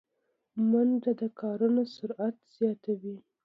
منډه د کارونو سرعت زیاتوي